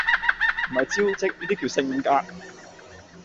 唔係招積，呢啲叫性格